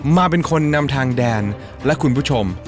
มาเป็นคนนำทางแดนและคุณผู้ชม